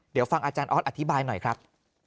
เดี๋ยวฟังอาจารย์ออสอธิบายหน่อยครับ